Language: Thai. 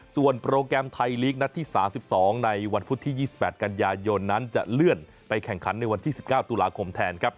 ส่วนโปรแกรมไทยลีกนัดที่๓๒ในวันพุธที่๒๘กันยายนนั้นจะเลื่อนไปแข่งขันในวันที่๑๙ตุลาคมแทนครับ